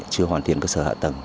chưa hoàn thiện cơ sở hạ tầng